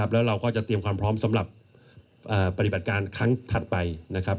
แล้วเราก็จะเตรียมความพร้อมสำหรับปฏิบัติการครั้งถัดไปนะครับ